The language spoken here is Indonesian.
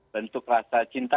bentuk rasa cinta